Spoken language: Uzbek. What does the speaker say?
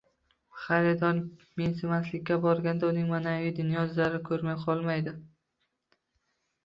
xaridorni mensimaslikka borganda uning maʼnaviy dunyosi zarar ko‘rmay qolmaydi.